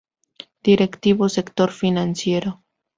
Directivo sector financiero.